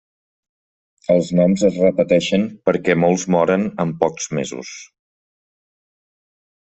Els noms es repeteixen perquè molts moren amb pocs mesos.